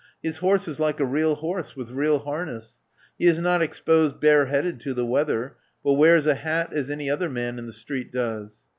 His horse is like a real horse, with real harness. He is not exposed bareheaded to the weather, but wears a hat as any other man in the street does.